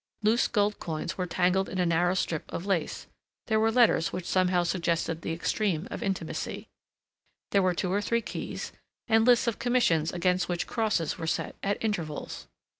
Loose gold coins were tangled in a narrow strip of lace; there were letters which somehow suggested the extreme of intimacy; there were two or three keys, and lists of commissions against which crosses were set at intervals.